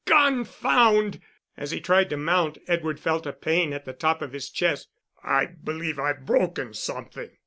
Confound!" As he tried to mount, Edward felt a pain at the top of his chest. "I believe I've broken something."